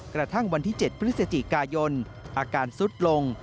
กระทั่งวันที่๗พฤศจิกายนอาการสุดลง